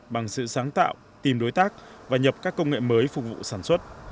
bằng sự sáng tạo tìm đối tác và nhập các công nghệ mới phục vụ sản xuất